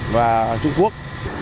và trung quốc